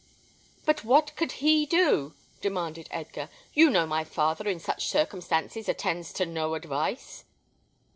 "But what could he do?" demanded Edgar. "You know my father in such circumstances attends to no advice."